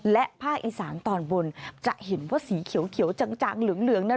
และภาคอีสานตอนบนจะเห็นว่าสีเขียวจางเหลืองนั้น